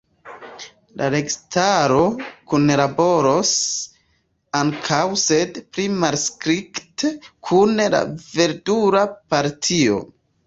La registaro kunlaboros ankaŭ sed pli malstrikte kun la Verdula Partio.